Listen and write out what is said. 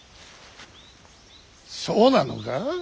そうなのか？